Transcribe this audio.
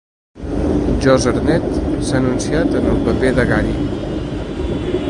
Josh Hartnett s'ha anunciat en el paper de Gary.